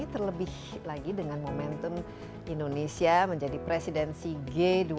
terlebih lagi dengan momentum indonesia menjadi presidensi g dua puluh